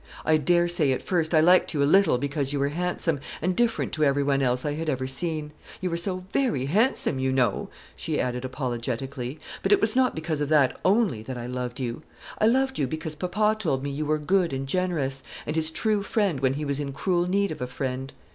"I dare say at first I liked you a little because you were handsome, and different to every one else I had ever seen. You were so very handsome, you know," she added apologetically; "but it was not because of that only that I loved you. I loved you because papa told me you were good and generous, and his true friend when he was in cruel need of a friend.